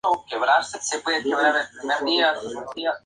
El caso más típico de entalpía es la llamada entalpía termodinámica.